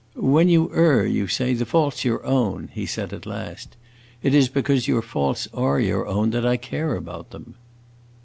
"When you err, you say, the fault 's your own," he said at last. "It is because your faults are your own that I care about them."